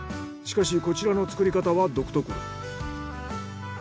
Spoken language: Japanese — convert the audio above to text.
しかしこちらの作り方は独特。